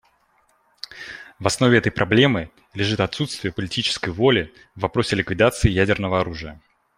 В основе этой проблемы лежит отсутствие политической воли в вопросе ликвидации ядерного оружия.